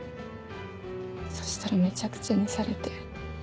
そしたらめちゃくちゃにされて。